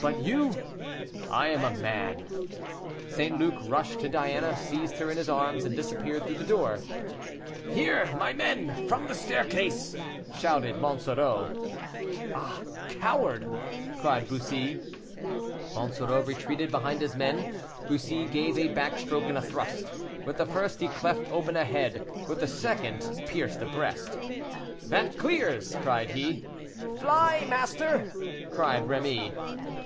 "But you?" "I am a man." St. Luc rushed to Diana, seized her in his arms, and disappeared through the door. "Here, my men, from the staircase," shouted Monsoreau. "Ah! coward!" cried Bussy. Monsoreau retreated behind his men. Bussy gave a back stroke and a thrust; with the first he cleft open a head, and with the second pierced a breast. "That clears!" cried he. "Fly, master!" cried Rémy.